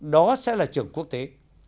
đó sẽ là trường quốc tế